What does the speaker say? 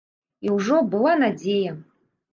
І ўжо была надзея.